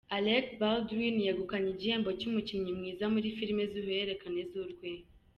Alec Baldwin yegukanye igihembo cy’umukinnyi mwiza muri filime z’uruhererekane z’urwenya.